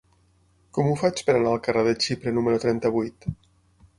Com ho faig per anar al carrer de Xipre número trenta-vuit?